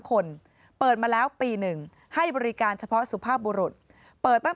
คนเปิดมาแล้วปีหนึ่งให้บริการเฉพาะสุภาพบุรุษเปิดตั้ง